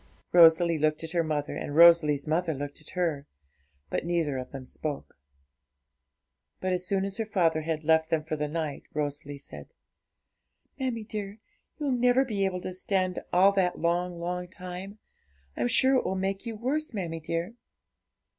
Rosalie looked at her mother, and Rosalie's mother looked at her, but neither of them spoke. But as soon as her father had left them for the night, Rosalie said 'Mammie dear, you'll never be able to stand all that long, long time; I'm sure it will make you worse, mammie dear.'